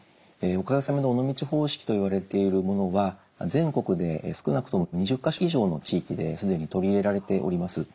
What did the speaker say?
おかげさまで尾道方式といわれているものは全国で少なくとも２０か所以上の地域で既に取り入れられております。